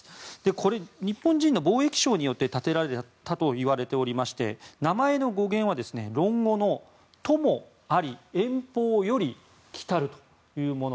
これ、日本人の貿易商によって建てられたといわれていまして名前の語源は「論語」の朋あり、遠方より来たるというもの。